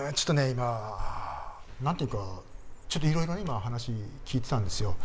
今なんというかちょっといろいろ今話聞いてたんですよ。